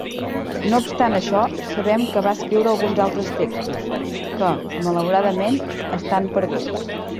No obstant això, sabem que va escriure alguns altres textos, que, malauradament, estan perduts.